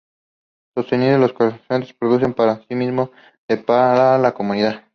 Sostienen que los colonizadores produjeron más para sí mismos que para la comunidad.